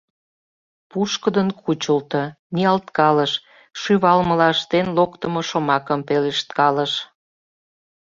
Пушкыдын кучылто, ниялткалыш, шӱвалмыла ыштен, локтымо шомакым пелешткалыш.